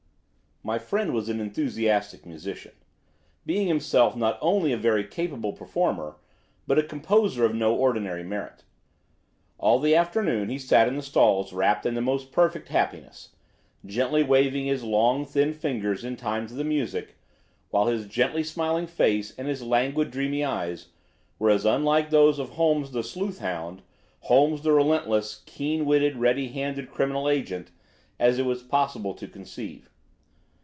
My friend was an enthusiastic musician, being himself not only a very capable performer but a composer of no ordinary merit. All the afternoon he sat in the stalls wrapped in the most perfect happiness, gently waving his long, thin fingers in time to the music, while his gently smiling face and his languid, dreamy eyes were as unlike those of Holmes the sleuth hound, Holmes the relentless, keen witted, ready handed criminal agent, as it was possible to conceive.